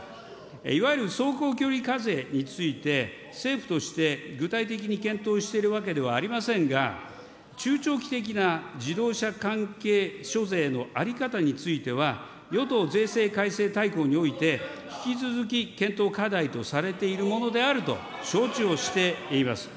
いわゆる走行距離課税について、政府として具体的に検討しているわけではありませんが、中長期的な自動車関係諸税の在り方については、与党税制改正大綱において引き続き検討課題とされているものであると承知をしています。